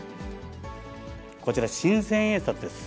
こちら、新千円札です。